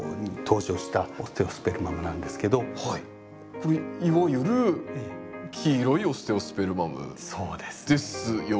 これいわゆる黄色いオステオスペルマムですよね？